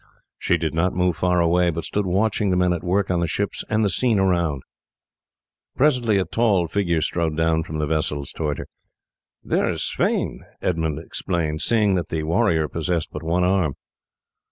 She did not move far away, but stood watching the men at work on the ships and the scene around. Presently a tall figure strode down from the vessels towards her. "There is Sweyn!" Edmund exclaimed, seeing that the warrior possessed but one arm.